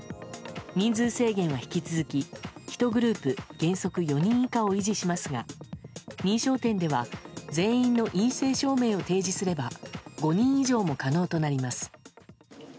人数制限は引き続き１グループ原則４人以下を維持しますが、認証店では全員の陰性証明を提示すれば５人以上も可能となります。